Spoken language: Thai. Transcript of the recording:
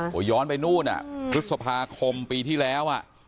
โหย้อนไปนู่นอ่ะฤษภาคมปีที่แล้วอ่ะ